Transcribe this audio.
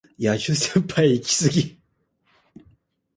野獣先輩イキスギ